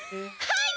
はい！